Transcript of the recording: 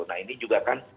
nah ini juga kan